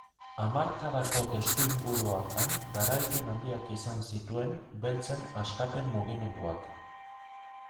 Hamarkadako testuinguru hartan garaipen handiak izan zituen beltzen askapen mugimenduak.